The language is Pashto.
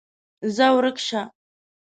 ځه ورک شه!